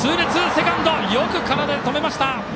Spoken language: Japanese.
セカンド、よく体で止めました。